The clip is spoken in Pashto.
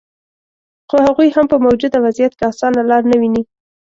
خو هغوي هم په موجوده وضعیت کې اسانه لار نه ویني